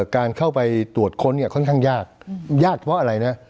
การเข้าไปตรวจค้นเนี่ยค่อนข้างยากยากเพราะอะไรนะ